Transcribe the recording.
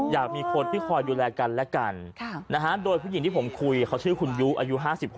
อยากมีคนที่คอยดูแลกันและกันโดยผู้หญิงที่ผมคุยเขาชื่อคุณยุอายุ๕๖